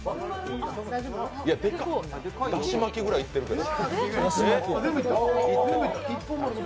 でかい、だし巻きぐらいいってるけど。